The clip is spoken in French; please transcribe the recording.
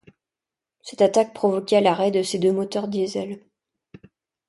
Cette attaque provoqua l'arrêt de ses deux moteurs diesel.